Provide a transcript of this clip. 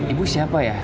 ibu siapa ya